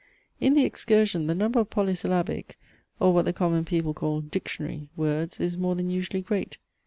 In THE EXCURSION the number of polysyllabic (or what the common people call, dictionary) words is more than usually great.